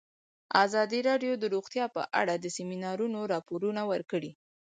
ازادي راډیو د روغتیا په اړه د سیمینارونو راپورونه ورکړي.